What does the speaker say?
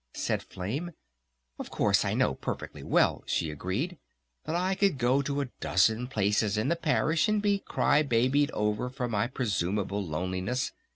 said Flame. "Oh, of course, I know perfectly well," she agreed, "that I could go to a dozen places in the Parish and be cry babied over for my presumable loneliness.